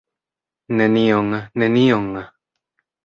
Nenion, nenion!